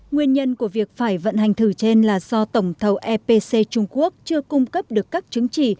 nguyên nhân của việc phải vận hành thử trên là do tổng thầu epc trung quốc chưa cung cấp được các chứng chỉ